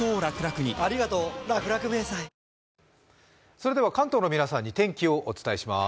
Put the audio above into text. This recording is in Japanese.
それでは、関東の皆さんに天気をお伝えします。